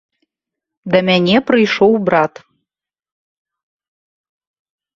Да мяне прыйшоў брат.